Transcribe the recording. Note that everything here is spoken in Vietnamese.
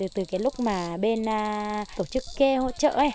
từ lúc mà bên tổ chức kê hỗ trợ